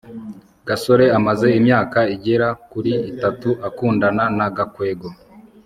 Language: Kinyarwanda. gasore amaze imyaka igera kuri itatu akundana na gakwego